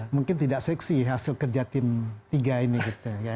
mungkin tidak seksi hasil kerja tim tiga ini gitu ya